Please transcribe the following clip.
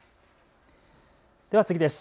では次です。